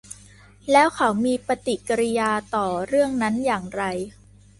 แล้วเขามีปฏิกิริยาต่อเรื่องนั้นอย่างไร